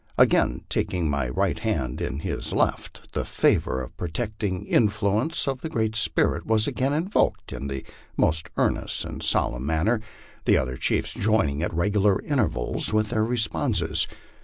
Again taking my right hand in his left, the favor or protecting influence of the Great Spirit was again invoked in the most earnest and solemn manner, the other chiefs joining at regular intervals with their responses.